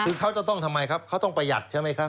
คือเขาจะต้องทำไมครับเขาต้องประหยัดใช่ไหมครับ